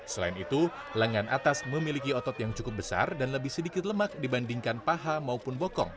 selain itu lengan atas memiliki otot yang cukup besar dan lebih sedikit lemak dibandingkan paha maupun bokong